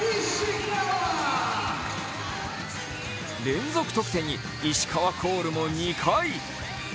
連続得点にイシカワコールも２回。